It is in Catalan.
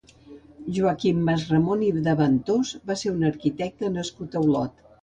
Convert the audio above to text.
Joaquim Masramon de Ventós va ser un arquitecte nascut a Olot.